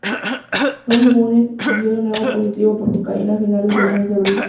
Tom Boonen dio de nuevo positivo por cocaína a finales del mes de abril.